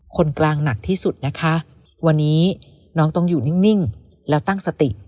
คนกลางหนักที่สุดนะคะวันนี้น้องต้องอยู่นิ่งแล้วตั้งสติ